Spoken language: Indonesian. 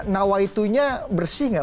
nawaitunya bersih gak